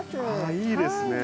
あいいですね。